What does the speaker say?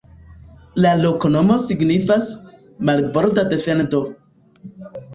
La loknomo signifas: "Marborda defendo".